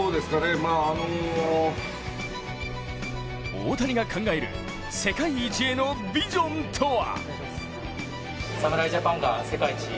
大谷が考える世界一へのビジョンとは？